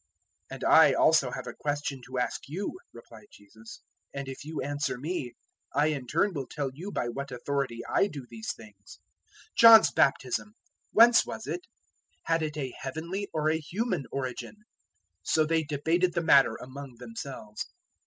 021:024 "And I also have a question to ask *you*," replied Jesus, "and if you answer me, I in turn will tell you by what authority I do these things. 021:025 John's Baptism, whence was it? had it a heavenly or a human origin?" So they debated the matter among themselves.